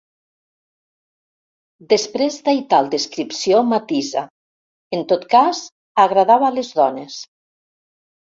Després d'aital descripció, matisa: “En tot cas, agradava a les dones.